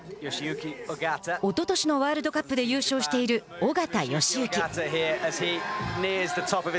おととしのワールドカップで優勝している緒方良行。